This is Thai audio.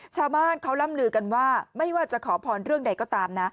ชาวบ้านเขาล่ำลือกันว่าไม่ว่าจะขอพรเรื่องใดก็ตามนะ